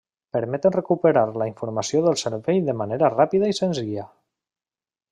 Permeten recuperar la informació del cervell de manera ràpida i senzilla.